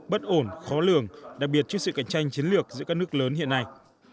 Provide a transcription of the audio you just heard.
bất ổn khó lường đặc biệt trước sự cạnh tranh chiến lược giữa các nước lớn hiện nay